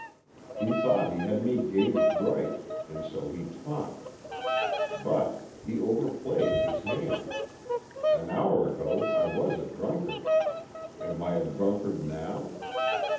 He thought he had me gauged right, and so he talked. But he over played his hand. An hour ago, I was a drunkard. Am I a drunkard now?